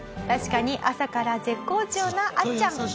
確かに朝から絶好調なあっちゃん。